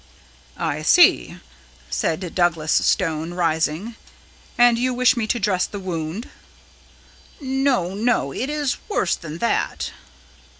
"I see," said Douglas Stone, rising. "And you wish me to dress the wound?" "No, no, it is worse than that."